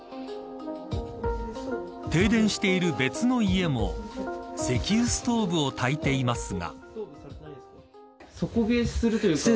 停電している別の家も石油ストーブをたいていますが。